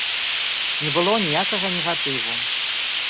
Не было ніякага негатыву.